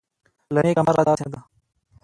له نیکه مرغه داسې نه ده